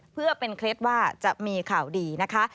เพื่อเป็นเคล็ดว่าจะมีข่าวดีนะคะ